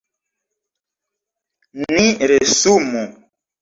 Ni resumu.